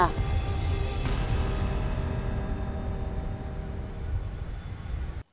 anh đức và australia